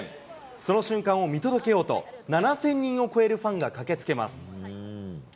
その瞬間を見届けようと、７０００人を超えるファンが駆けつけます。